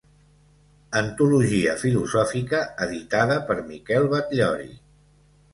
Antologia filosòfica editada per Miquel Batllori.